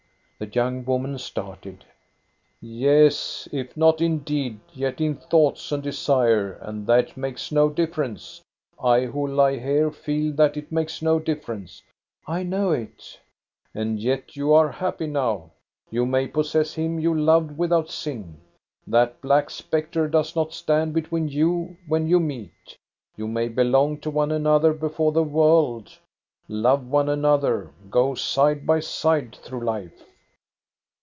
The young woman started. " Yes, if not in deed, yet in thoughts and desire, and that makes no diflerence. I who lie here feel that it makes no diflerence." " I know it 1 "And yet you are happy now. You may possess him you loved without sin. That black spectre does not stand between you when you meet. You may belong to one another before the world, love one another, go side by side through life."